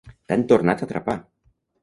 T'han tornat a atrapar!